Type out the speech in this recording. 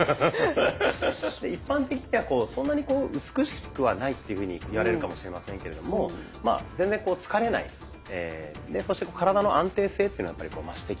一般的にはそんなに美しくはないっていうふうに言われるかもしれませんけれどもまあ全然疲れないそして体の安定性っていうのがやっぱり増してきますので。